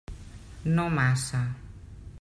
No massa.